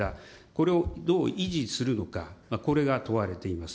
これをどう維持するのか、これが問われています。